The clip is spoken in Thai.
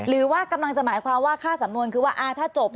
หรือกำลังจะหมายเป็นความว่าค่าสำนวนถ้าจบ